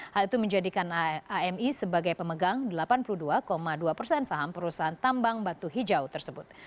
hal itu menjadikan ami sebagai pemegang delapan puluh dua dua persen saham perusahaan tambang batu hijau tersebut